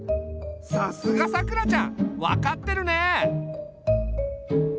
さすがさくらちゃん分かってるねえ！